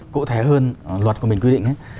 cụ thể hơn luật của mình quy định ấy